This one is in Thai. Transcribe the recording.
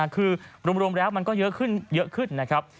คือรวมแล้วมันก็เยอะขึ้นนะครับ